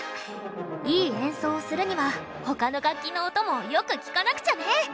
いい演奏をするには他の楽器の音もよく聴かなくちゃね。